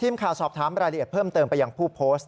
ทีมข่าวสอบถามรายละเอียดเพิ่มเติมไปยังผู้โพสต์